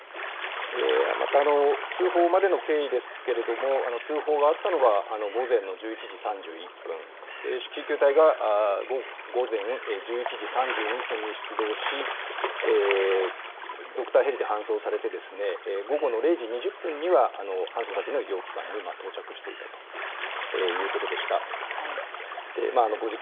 また、通報までの経緯ですけれども、通報があったのは午前の１１時３１分、救急隊が午前１１時３２分に出動し、ドクターヘリで搬送されて、午後の０時２０分には搬送先の医療機関に到着していたということでした。